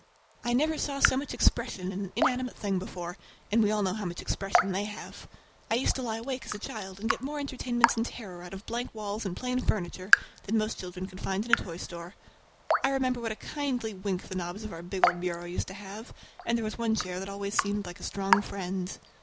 I never saw so much expression in an inanimate thing before, and we all know how much expression they have! I used to lie awake as a child and get more entertainment and terror out of blank walls and plain furniture than most children could find in a toy store. I remember what a kindly wink the knobs of our big old bureau used to have, and there was one chair that always seemed like a strong friend.